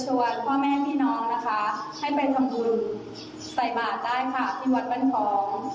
ขอเชิญชวนพ่อแม่พี่น้องนะคะให้ไปทำบุญใส่บาตรได้ค่ะที่วัดบ้านพร้อม